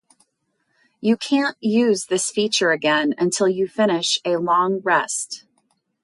You can’t use this feature again until you finish a long rest.